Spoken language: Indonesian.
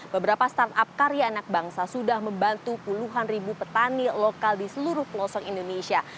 beberapa startup karya anak bangsa sudah membantu puluhan ribu petani lokal di seluruh pelosok indonesia